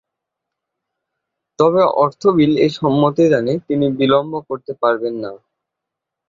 তবে অর্থ বিল এ সম্মতি দানে তিনি বিলম্ব করতে পারবেন না।